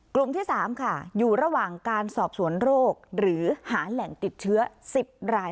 กลุ่มที่๓ค่ะอยู่ระหว่างการสอบสวนโรคหรือหาแหล่งติดเชื้อ๑๐ราย